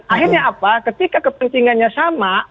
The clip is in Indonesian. akhirnya apa ketika kepentingannya sama